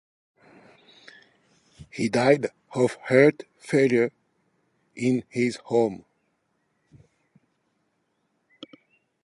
He died of heart failure in his home.